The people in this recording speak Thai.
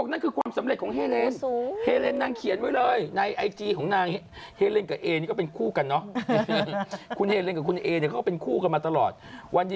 เมื่อก่อนแม่ของอ้ำโภชฮาลาภาเฮเลนส์เล่าให้ฟัง